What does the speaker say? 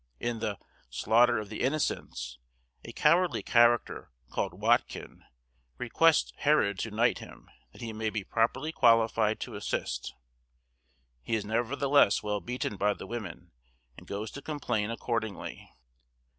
In the 'Slaughter of the Innocents,' a cowardly character, called Watkyn, requests Herod to knight him, that he may be properly qualified to assist; he is nevertheless well beaten by the women, and goes to complain accordingly.